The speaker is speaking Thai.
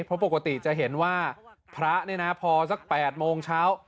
เพราะปกติจะเห็นว่าพระเนี่ยนะพอสัก๘โมงเช้า